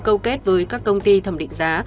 cầu kết với các công ty thầm định giá